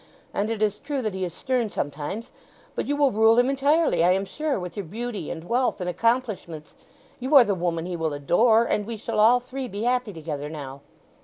And it is true that he is stern sometimes. But you will rule him entirely, I am sure, with your beauty and wealth and accomplishments. You are the woman he will adore, and we shall all three be happy together now!"